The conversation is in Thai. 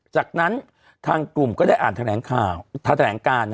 จากนั้นทางกลุ่มก็ได้อ่านแถลงการ